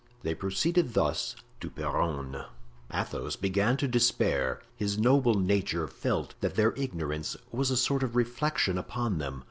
They proceeded thus to Peronne. Athos began to despair. His noble nature felt that their ignorance was a sort of reflection upon them.